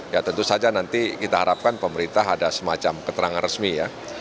ya tentu saja nanti kita harapkan pemerintah ada semacam keterangan resmi ya